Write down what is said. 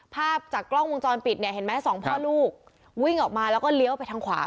ภาพจากกล้องวงจรปิดเนี่ยเห็นไหมสองพ่อลูกวิ่งออกมาแล้วก็เลี้ยวไปทางขวา